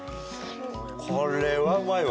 これはうまいわ。